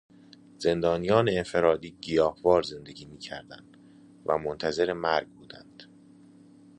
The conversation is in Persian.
زندانیان انفرادی گیاهوار زندگی میکردند و منتظر مرگ بودند.